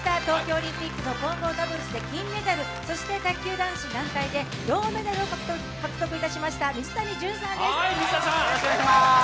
東京オリンピックの混合ダブルスで金メダル、そして卓球男子団体で銅メダルを獲得いたしました水谷隼さんです。